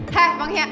hah panggilnya anak